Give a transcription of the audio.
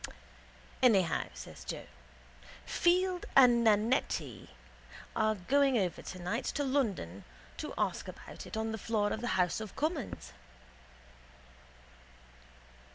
—Anyhow, says Joe, Field and Nannetti are going over tonight to London to ask about it on the floor of the house of commons.